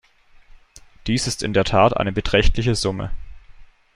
Dies ist in der Tat eine beträchtliche Summe.